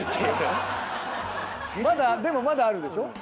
まだでもまだあるでしょ？